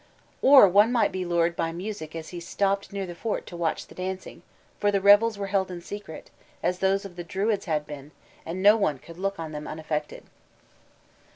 _ or one might be lured by music as he stopped near the fort to watch the dancing, for the revels were held in secret, as those of the Druids had been, and no one could look on them unaffected.